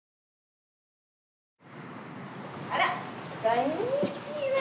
あらこんにちは。